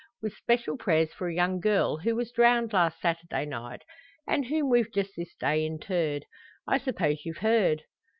With special prayers for a young girl, who was drowned last Saturday night, and whom we've just this day interred. I suppose you've heard?"